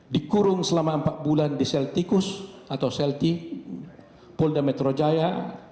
dikurung selama empat bulan di celticus atau celti polda metro jaya